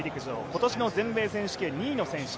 今年の全米選手権２位の選手。